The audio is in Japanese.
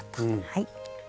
はい。